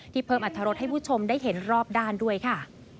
เพิ่มอัตรรสให้ผู้ชมได้เห็นรอบด้านด้วยค่ะ